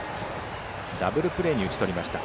ダブルプレーに打ち取りました。